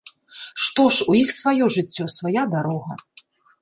Што ж, у іх сваё жыццё, свая дарога.